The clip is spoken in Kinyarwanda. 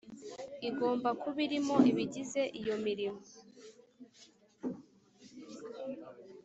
igomba kuba irimo ibigize iyo mirimo